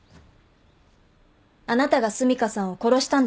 あなたが澄香さんを殺したんですよね。